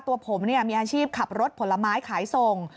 ตัวผมมีอาชีพขับรถผลไม้ขายส่ง